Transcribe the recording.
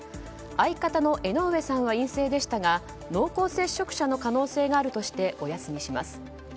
相方の江上さんは陰性でしたが濃厚接触者の可能性があるとしてお休みします。